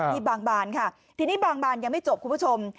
บางบานค่ะทีนี้บางบานยังไม่จบคุณผู้ชม